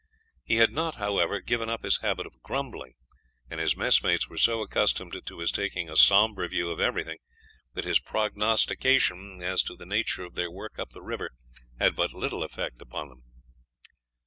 He had not, however, given up his habit of grumbling, and his messmates were so accustomed to his taking a somber view of everything that his prognostication as to the nature of their work up the river had but little effect upon them.